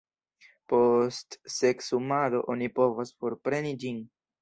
Post seksumado oni povas forpreni ĝin.